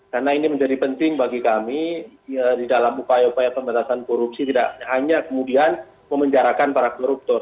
karena ini menjadi penting bagi kami di dalam upaya upaya pemberantasan korupsi tidak hanya kemudian memenjarakan para koruptor